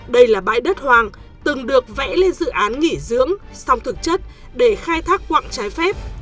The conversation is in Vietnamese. đây là bãi đất hoàng từng được vẽ lên dự án nghỉ dưỡng song thực chất để khai thác quạng trái phép